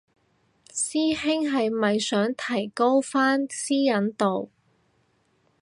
師兄係咪想提高返私隱度